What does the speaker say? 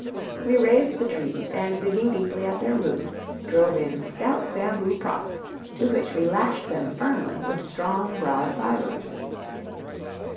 We raised the trees, and digging deeply at their roots, drove in stout bamboo props, to which we lashed them firmly with strong broad fibers.